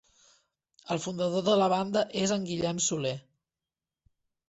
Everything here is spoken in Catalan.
El fundador de la banda és en Guillem Soler.